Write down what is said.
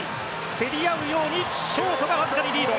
競り合うようにショートがわずかにリード。